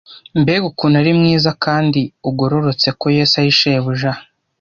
mbega ukuntu ari mwiza kandi ugororotse ko yesu ari shebuja